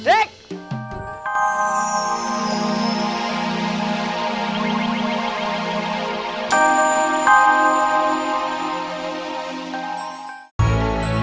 eh jalan sini